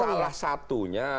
itu kan salah satunya